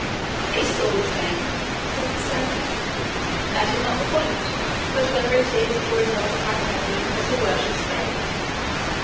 "It is all the same," said the servant; "that is not the point; but whether it is or is not a pack saddle, as your worships say."